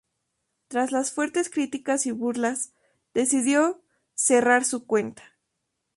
Tras las fuertes críticas y burlas, decidió cerrar su cuenta.